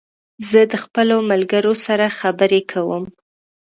زه د خپلو ملګرو سره خبري کوم